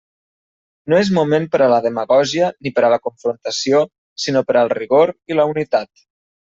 No és moment per a la demagògia ni per a la confrontació, sinó per al rigor i la unitat.